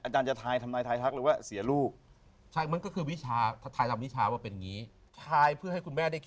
อาจารย์จะท้ายทำนายท้ายทักหรือว่าเสียลูก